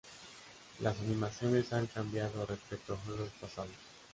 Las animaciones han cambiado respecto a juegos pasados.